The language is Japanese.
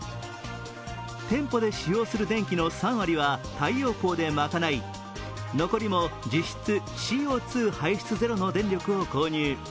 店舗で使用する電気の３割は太陽光で賄い残りも実質ＣＯ２排出ゼロの電力を購入。